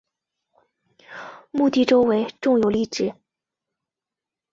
墓地周围种有绿植。